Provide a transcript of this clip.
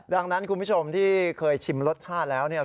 ดังนั้นคุณผู้ชมที่เคยชิมรสชาติแล้วเนี่ย